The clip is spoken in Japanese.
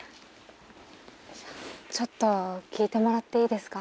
ちょっと聞いてもらっていいですか？